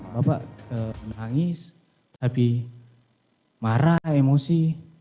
bapak menangis tapi marah emosi